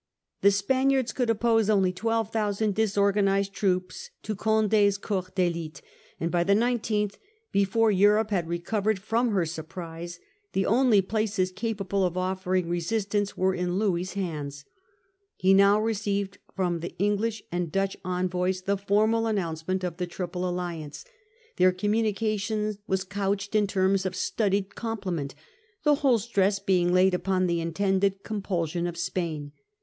The Spaniards could oppose only 12,000 disorganised troops to Conde's corps <LMte\ _. and by the 1 Qth, before Europe had recovered Franche from her surprise, the only places capable of Comte. offering resistance were in Louis's hands. He now received from the English and Dutch envoys the formal announcement of the Triple Alliance. Their com munication was couched in terms of studied compliment, the whole stress being laid upon the intended compulsion of Spain.